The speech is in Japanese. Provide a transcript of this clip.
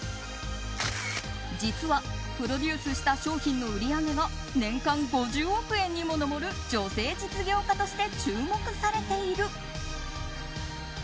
実はプロデュースした商品の売り上げが年間５０億円にも上る女性実業家として注目されている。